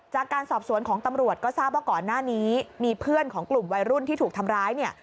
จากการสอบสวนของตำรวจก็ทราบว่าก่อนหน้านี้มีเพื่อนของกลุ่มวัยรุ่นที่ถูกทำร้ายเนี่ย